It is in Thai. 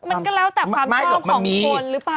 มันก็แล้วแต่ความเชื่อของคนหรือเปล่า